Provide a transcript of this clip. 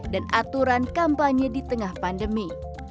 dan aturan kampanye di tengah pandemi